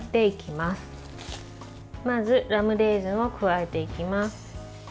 まずラムレーズンを加えていきます。